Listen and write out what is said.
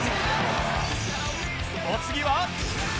お次は